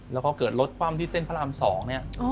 แล้วพอเกิดรถคว่ำที่เส้นพระราม๒เนี่ย